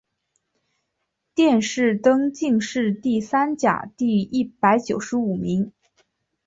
殿试登进士第三甲第一百九十五名。